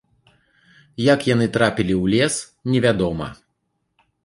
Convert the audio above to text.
Як яны трапілі ў лес, не вядома.